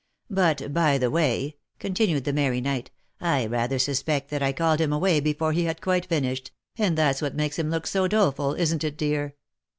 " But, by the way," continued the merry knight, " I rather suspect that I called him away before he had quite finished, and that's what it is makes him look so doleful", isn't it, dear